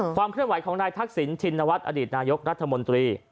ความเคลื่อนไหวของนายทักษิณชินวัฒน์อดีตนายกรัฐมนตรี